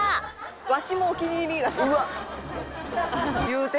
「“わしもお気に入り！”だって」